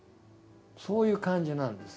そういう感じなんです。